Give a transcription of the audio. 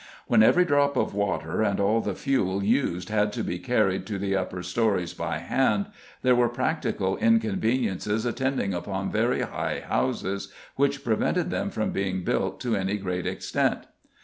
When every drop of water and all the fuel used had to be carried to the upper storeys by hand, there were practical inconveniences attending upon very high houses which prevented them from being built to any great extent.